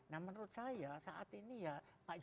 nah menurut saya saat ini ya pak jokowi